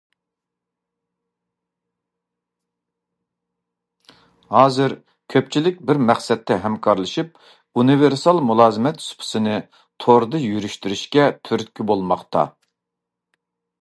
ھازىر، كۆپچىلىك بىر مەقسەتتە ھەمكارلىشىپ ئۇنىۋېرسال مۇلازىمەت سۇپىسىنى توردا يۈرۈشتۈرۈشكە تۈرتكە بولماقتا.